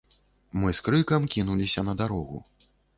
Мы з крыкам кінуліся на дарогу.